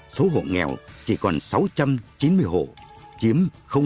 số hộ nghèo chỉ còn sáu trăm chín mươi hộ chiếm tám mươi năm